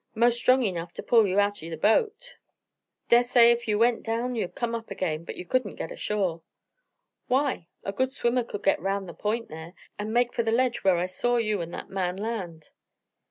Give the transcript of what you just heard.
Most strong enough to pull you out of the boat. Dessay, if you went down, you'd come up again, but you couldn't get ashore." "Why? A good swimmer could get round the point there, and make for the ledge where I saw you and that man land."